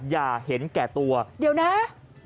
อย่าเห็นแก่ตัวเดี๋ยวนะ